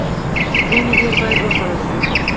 يعنې ډیر باید وخوړل شي.